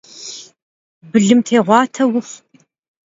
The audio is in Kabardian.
Bılımtêğuate vuxhu!